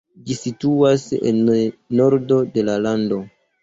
Ĝi situas en nordo de la lando.